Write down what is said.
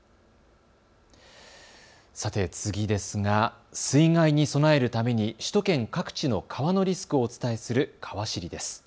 さて次ですが水害に備えるために首都圏各地の川のリスクをお伝えする、かわ知りです。